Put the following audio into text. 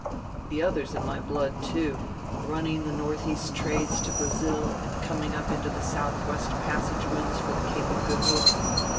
The other's in my blood, too running the northeast trades to Brazil and coming up into the southwest passage winds for the Cape of Good Hope.